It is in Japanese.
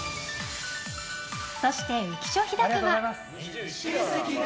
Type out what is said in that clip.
そして、浮所飛貴は。